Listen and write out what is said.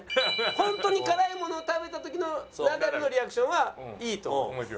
ホントに辛いものを食べた時のナダルのリアクションはいいと思います。